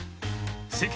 世間